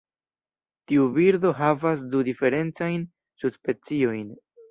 Tiu birdo havas du diferencajn subspeciojn.